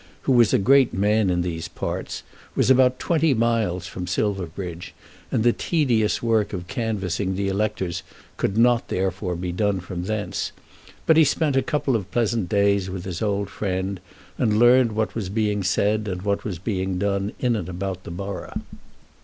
who was a great man in these parts, was about twenty miles from Silverbridge, and the tedious work of canvassing the electors could not therefore be done from thence; but he spent a couple of pleasant days with his old friend, and learned what was being said and what was being done in and about the borough.